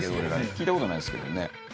聞いた事ないですけどね。